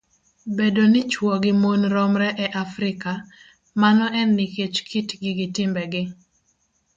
Bedo ni chwo gi mon romre e Afrika, mano en nikech kitgi gi timbegi